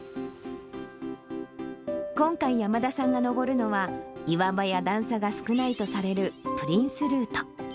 今回、山田さんが登るのは、岩場や段差が少ないとされるプリンスルート。